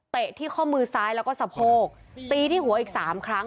ที่ข้อมือซ้ายแล้วก็สะโพกตีที่หัวอีกสามครั้ง